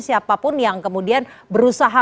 siapapun yang kemudian berusaha